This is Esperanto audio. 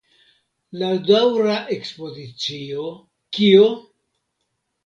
La daŭra ekspozicio "Kio?